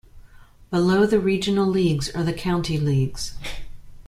Below the regional leagues are the county leagues.